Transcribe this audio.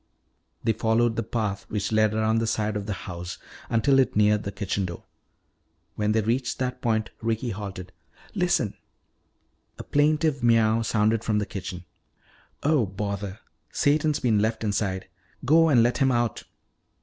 They followed the path which led around the side of the house until it neared the kitchen door. When they reached that point Ricky halted. "Listen!" A plaintive miaow sounded from the kitchen. "Oh, bother! Satan's been left inside. Go and let him out."